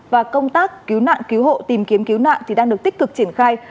và công tác cứu nạn cứu hộ tìm kiếm cứu nạn đang được tích cực triển khai